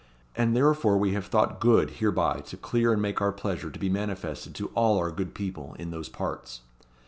And therefore we have thought good hereby to clear and make our pleasure to be manifested to all our good people in those parts."